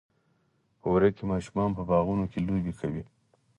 وری کې ماشومان په باغونو کې لوبې کوي.